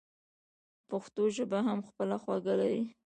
پښتو ژبه هم خپله خوږه لري.